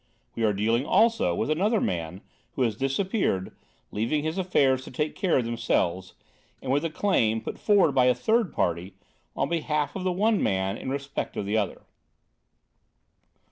We are dealing, also, with another man who has disappeared, leaving his affairs to take care of themselves; and with a claim, put forward by a third party, on behalf of the one man in respect of the other.